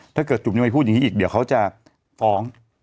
จุ๋มยังไม่พูดอย่างนี้อีกเดี๋ยวเขาจะฟ้อง